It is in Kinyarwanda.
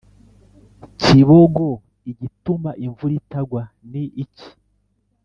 “kibogo igituma imvura itagwa ni iki?